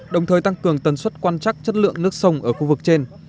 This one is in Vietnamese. đồng thời tăng cường tần suất quan trắc chất lượng nước sông ở khu vực trên